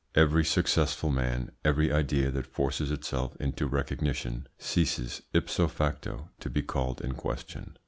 Every successful man, every idea that forces itself into recognition, ceases, ipso facto, to be called in question.